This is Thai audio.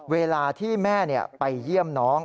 เวลาที่แม่ไปเยี่ยมน้อง